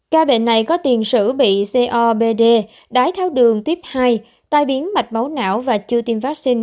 ca bệnh này có tiền sử bị cobd đái tháo đường tuyếp hai tai biến mạch máu não và chưa tiêm vaccine